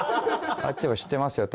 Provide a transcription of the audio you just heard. あっちも「知ってますよ」